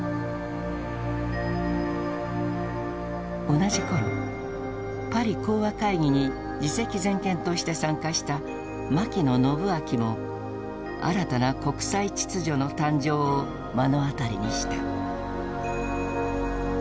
同じ頃パリ講和会議に次席全権として参加した牧野伸顕も新たな国際秩序の誕生を目の当たりにした。